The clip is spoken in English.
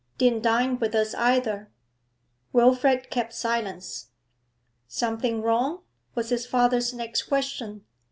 Didn't dine with us either.' Wilfrid kept silence. 'Something wrong?' was his father's next question.